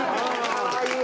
かわいい！